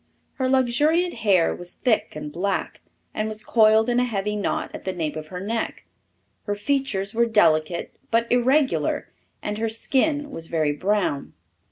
Her luxuriant hair was thick and black, and was coiled in a heavy knot at the nape of her neck. Her features were delicate but irregular, and her skin was very brown.